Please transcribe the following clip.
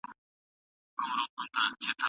سایکي له فلزاتو جوړ دی.